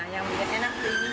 yang bikin enak piringnya